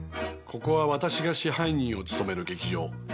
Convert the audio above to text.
ここは私が支配人を務める劇場。